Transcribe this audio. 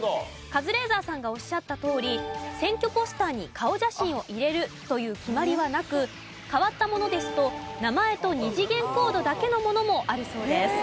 カズレーザーさんがおっしゃったとおり選挙ポスターに顔写真を入れるという決まりはなく変わったものですと名前と２次元コードだけのものもあるそうです。